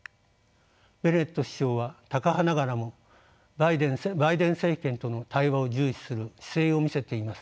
ベネット首相はタカ派ながらもバイデン政権との対話を重視する姿勢を見せています。